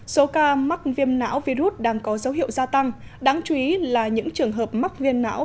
số ca mắc viêm não virus đang có dấu hiệu gia tăng đáng chú ý là những trường hợp mắc viêm não